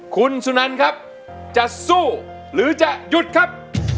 คุณสุนันครับจะสู้หรือจะหยุดครับ